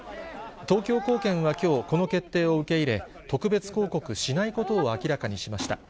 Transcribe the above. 東京高検はきょう、この決定を受け入れ、特別抗告しないことを明らかにしました。